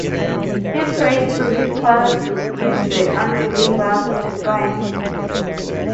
He prayed to his father to give the unbelievers a sign.